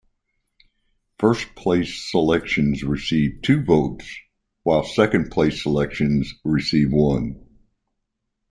First place selections receive two votes, while second place selections receive one.